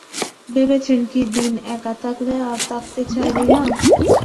ভেবেছেন কী দিন একা থাকলে আর থাকতে চাইবে না।